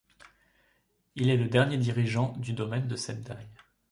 Il est le dernier dirigeant du domaine de Sendai.